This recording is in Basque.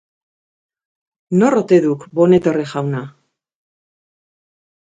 Nor ote duk Boneterre jauna?